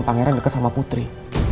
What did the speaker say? pangeran deket sama putri